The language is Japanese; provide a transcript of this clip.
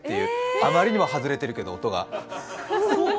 あまりにも音が外れてるけど。